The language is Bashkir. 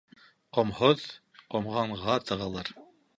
Ҡомһоҙ ҡомғанға тығылыр.